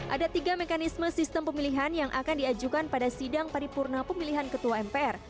ada tiga mekanisme sistem pemilihan yang akan diajukan pada sidang paripurna pemilihan ketua mpr